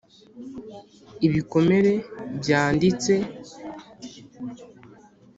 (ibikomere byanditse),